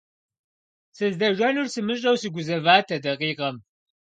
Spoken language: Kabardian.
Сыздэжэнур сымыщӏэжу сыгузэват а дакъикъэм.